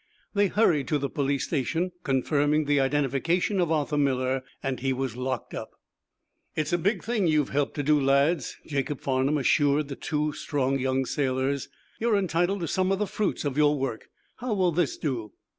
They hurried to the police station, confirming the identification of Arthur Miller. He was locked up. "It's a big thing you've helped to do, lads," Jacob Farnum assured the two strong young sailors. "You're entitled to some of the fruits of your work. How will this do?"